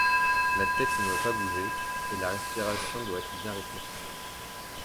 La tête ne doit pas bouger, et la respiration doit être bien rythmée.